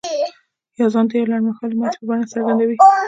يا ځان د يوې لنډ مهالې ماتې په بڼه څرګندوي.